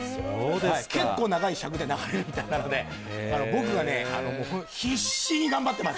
結構長い尺で流れるんで、僕がね、必死に頑張ってます。